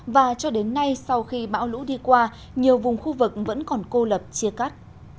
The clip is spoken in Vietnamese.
và cho đến nay sau khi bão lũ đi qua nhiều vùng khu vực vẫn còn cô lập chia cắt